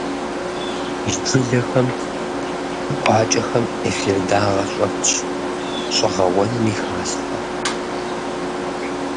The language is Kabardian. И жылэхэм, къуакӏэхэм эфир дагъэ щӏэтщ, щӏэгъэуэнми халъхьэ.